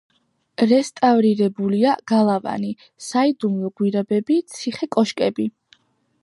რესტავრირებულია გალავანი, საიდუმლო გვირაბები, ციხე-კოშკები.